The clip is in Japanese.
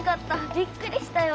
びっくりしたよ。